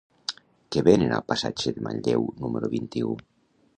Què venen al passatge de Manlleu número vint-i-u?